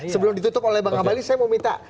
sebelum ditutup oleh bang abalin saya mau minta